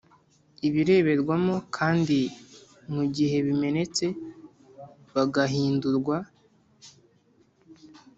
ibireberwamo kandi mu gihe bimenetse bagahindurwa